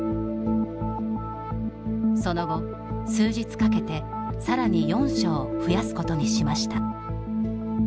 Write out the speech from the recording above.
その後、数日かけてさらに４床増やすことにしました。